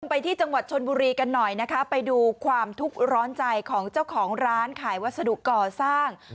ไปที่จังหวัดชนบุรีกันหน่อยนะคะไปดูความทุกข์ร้อนใจของเจ้าของร้านขายวัสดุก่อสร้าง